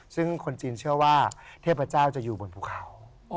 ซึ่งคนจีนเชื่อว่าเทพเจ้าจะอยู่บนภูเขา